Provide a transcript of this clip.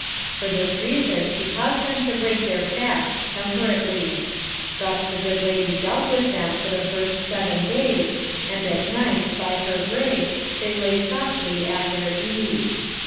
For this reason she caused them to break their fast temperately. Thus the good lady dealt with them for the first seven days, and at nights, by her grace, they lay softly at their ease.